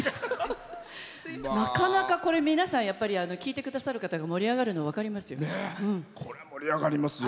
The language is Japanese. なかなか皆さん聴いてくださる方が盛り上がるのは分かりますよ。